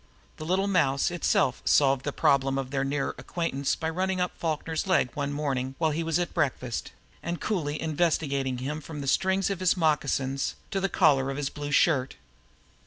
The little mouse itself solved the problem of their nearer acquaintance by running up Falkner's leg one morning while he was at breakfast, and coolly investigating him from the strings of his moccasin to the collar of his blue shirt.